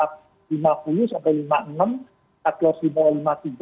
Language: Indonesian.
cut loss di bawah lima puluh tiga